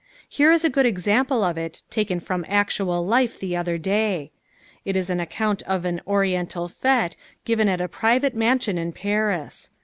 Here is a good example of it taken from actual life the other day. It is an account of an "oriental fête" given at a private mansion in Paris.